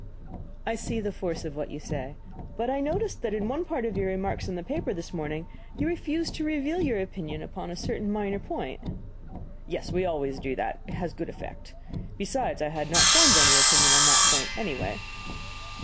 "I see the force of what you say. But I noticed that in one part of your remarks in the papers this morning you refused to reveal your opinion upon a certain minor point." "Yes, we always do that; it has a good effect. Besides, I had not formed any opinion on that point, anyway."